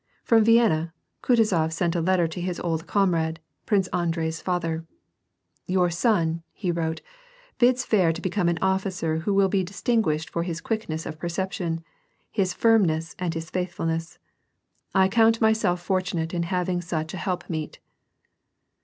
From Vienna^ Kutuzof sent a letter to his old comrade. Prince Andrei's father, — "Your SOD," he wrote, " bids fair to become an officer who will be distinguished for his quickness of perception, his firm ness, and his faithfulness. I count myself fortunate in having such a helpmeet."